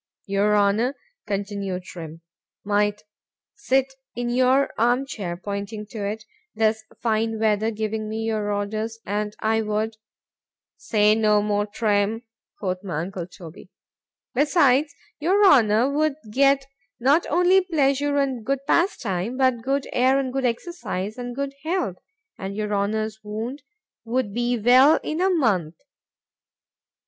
Your Honour, continued Trim, might sit in your arm chair (pointing to it) this fine weather, giving me your orders, and I would——Say no more, Trim, quoth my uncle Toby——Besides, your Honour would get not only pleasure and good pastime—but good air, and good exercise, and good health,—and your Honour's wound would be well in a month.